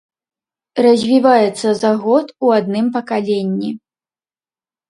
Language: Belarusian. Развіваецца за год у адным пакаленні.